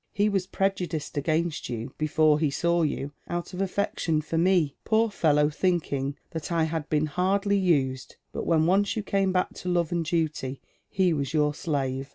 He was prejudiced aga'ust you before be saw you, out of affection for me, poor fello «r, thinking that I had been hardly used ; but when once you came back to love and duty he was your slave."